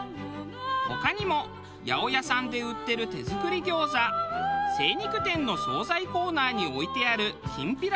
他にも八百屋さんで売ってる手作り餃子精肉店の総菜コーナーに置いてあるきんぴら